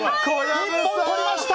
１本とりました！